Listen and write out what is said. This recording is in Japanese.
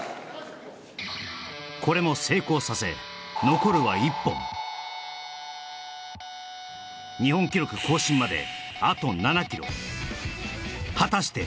これも成功させ残るは１本日本記録更新まであと７ｋｇ果たして？